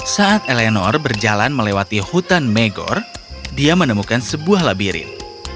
saat eleanor berjalan melewati hutan megor dia menemukan sebuah labirin